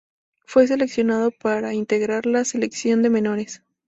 Fue seleccionado para integrar la selección de menores.